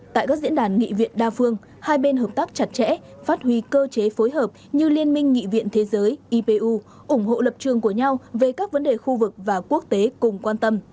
tại các diễn đàn nghị viện đa phương hai bên hợp tác chặt chẽ phát huy cơ chế phối hợp như liên minh nghị viện thế giới ipu ủng hộ lập trường của nhau về các vấn đề khu vực và quốc tế cùng quan tâm